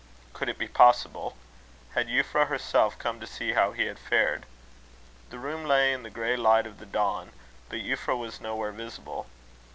Could it be possible? Had Euphra herself come to see how he had fared? The room lay in the grey light of the dawn, but Euphra was nowhere visible.